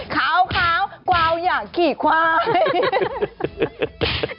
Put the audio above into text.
ขาวกวาวอยากขี่ควาย